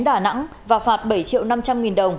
đà nẵng và phạt bảy triệu năm trăm linh nghìn đồng